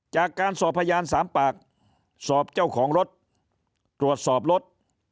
จากการสอบพยาน๓ปากสอบเจ้าของรถตรวจสอบรถ